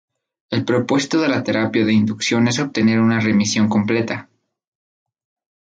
El propósito de la terapia de inducción es obtener una remisión completa.